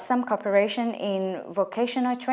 sẽ có sự quan hệ tương tự